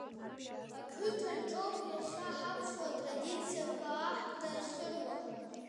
Ақыҭаҿоуп иахьа ҳаԥсуа традициақәа аҳра ахьыруа.